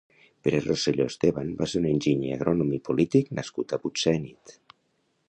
Pere Roselló Esteban va ser un enginyer agrònom i polític nascut a Butsènit.